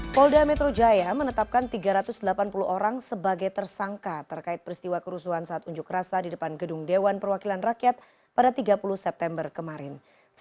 polda metro jaya menetapkan tiga ratus delapan puluh orang sebagai tersangka terkait peristiwa kerusuhan saat unjuk rasa di depan gedung dewan perwakilan rakyat pada tiga puluh september kemarin